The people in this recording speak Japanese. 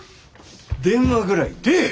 電話ぐらい出え！